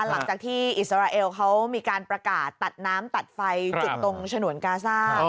หลังจากที่อิสราเอลเขามีการประกาศตัดน้ำตัดไฟจุดตรงฉนวนกาซ่า